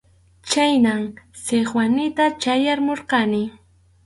Chhaynam Sikwanita chayamurqani.